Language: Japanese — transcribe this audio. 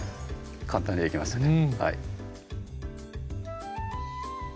簡単にできましたね